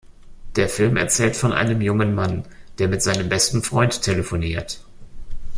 Der Film erzählt von einem jungen Mann, der mit seinem besten Freund telefoniert.